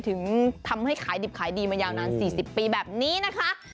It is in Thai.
ถึงทำให้ขายดิบขายดีมายาวนาน๔๐ปีแบบนี้นะคะ